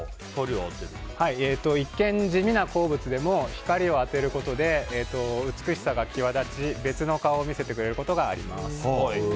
一見、地味な鉱物でも光を当てることで美しさが際立ち別の顔を見せてくれることがあります。